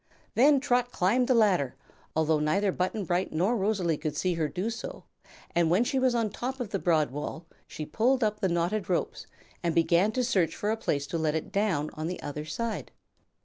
Then Trot climbed the ladder, although neither Button Bright nor Rosalie could see her do so, and when she was on top the broad wall she pulled up the knotted ropes and began to search for a place to let it down on the other side.